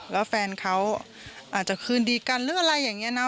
แล้วแฟนเขาอาจจะคืนดีกันหรืออะไรอย่างนี้นะ